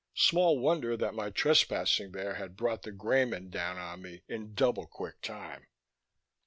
Small wonder that my trespassing there had brought the Greymen down on me in doublequick time.